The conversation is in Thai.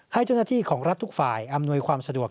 ให้เจ้าหน้าที่ของรัฐทุกฝ่ายอำนวยความสะดวก